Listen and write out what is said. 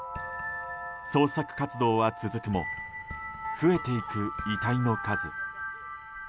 捜索活動は続くも増えていく遺体の数。